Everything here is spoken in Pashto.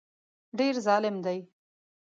ډېر ظالم دی.